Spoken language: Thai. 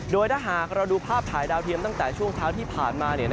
โดยถ้าหากเราดูภาพถ่ายดาวเทียมตั้งแต่ช่วงเช้าที่ผ่านมา